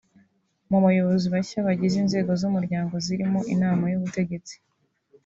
Mu bayobozi bashya bagize inzego z’umuryango zirimo inama y’ubutegetsi